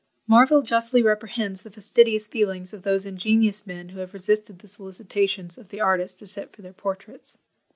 Marville justly reprehends the fastidious feelings of those ingenious men who have resisted the solicitations of the artist, to sit for their portraits.